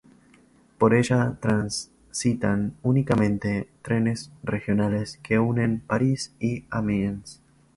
Por ella transitan únicamente trenes regionales que unen París y Amiens.